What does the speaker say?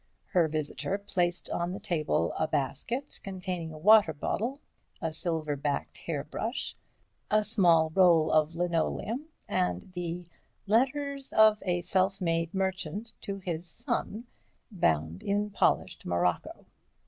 Her visitor placed on the table a basket, containing a water bottle, a silver backed hairbrush, a pair of boots, a small roll of linoleum, and the "Letters of a Self made Merchant to His Son," bound in polished morocco.